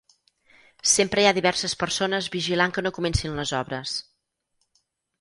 Sempre hi ha diverses persones vigilant que no comencin les obres.